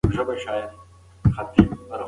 کاشکې ما په تېرو کلونو کې د ژبې کورس لوستی وای.